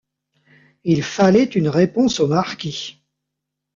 Il fallait une réponse au marquis.